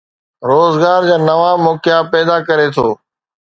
روزگار جا نوان موقعا پيدا ڪري ٿو.